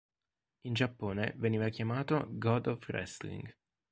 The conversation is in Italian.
In Giappone veniva chiamato "God of Wrestling".